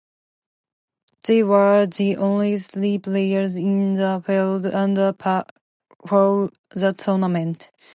They were the only three players in the field under par for the tournament.